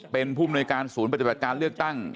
เป็นผู้มนุยการศูนย์ประจำแบบการเลือกตั้ง